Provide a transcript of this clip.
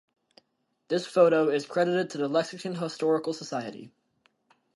The photo is credited to the Lexington Historical Society.